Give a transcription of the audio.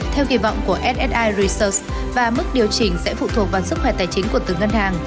theo kỳ vọng của ssi reseers và mức điều chỉnh sẽ phụ thuộc vào sức khỏe tài chính của từng ngân hàng